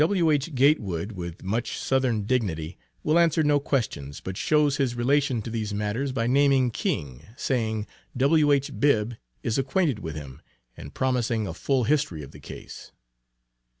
W.H. Gatewood, with much Southern dignity, will answer no questions, but shows his relation to these matters by naming "King" saying, "W.H. Bibb is acquainted with him," and promising "a full history of the case."